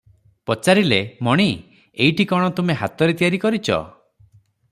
ପଚାରିଲେ "ମଣି! ଏଇଟି କଣ ତୁମେ ହାତରେ ତିଆରି କରିଚ?"